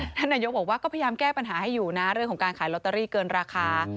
ท่านนายกบอกว่าก็พยายามแก้ปัญหาให้อยู่นะเรื่องของการขายลอตเตอรี่เกินราคา